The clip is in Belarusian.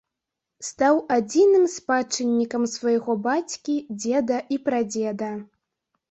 Стаў адзіным спадчыннікам свайго бацькі, дзеда і прадзеда.